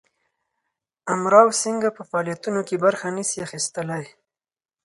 امراو سینګه په فعالیتونو کې برخه نه سي اخیستلای.